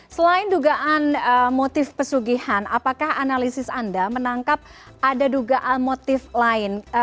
selain dugaan motif pesugihan apakah analisis anda menangkap ada dugaan motif lain